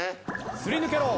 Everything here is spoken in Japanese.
すり抜けろ！